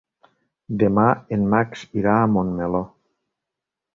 Demà en Max irà a Montmeló.